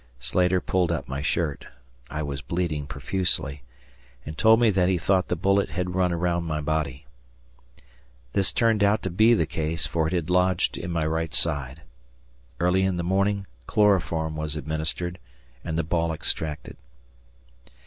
Slater pulled up my shirt I was bleeding profusely and told me that he thought the bullet had run around my body. This turned out to be the case, for it had lodged in my right side. Early in the morning chloroform was administered, and the ball extracted.